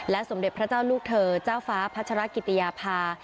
สมเด็จพระเจ้าลูกเธอเจ้าฟ้าพัชรกิติยาภา